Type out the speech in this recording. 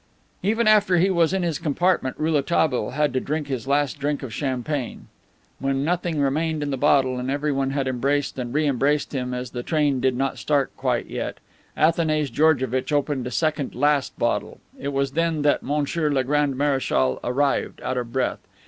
Even after he was in his compartment Rouletabille had to drink his last drink of champagne. When nothing remained in the bottle and everyone had embraced and re embraced him, as the train did not start quite yet, Athanase Georgevitch opened a second "last" bottle. It was then that Monsieur le Grand Marechal arrived, out of breath.